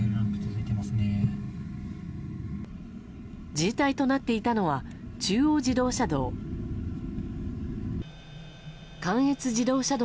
渋滞となっていたのは中央自動車道。